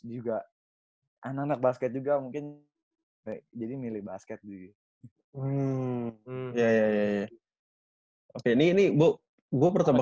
juga anak anak basket juga mungkin jadi milih basket dulu ya ya ya ya ya oke ini ini gue pertama